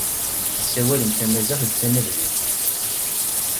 Tessawalem tamaziɣt d tanablalt.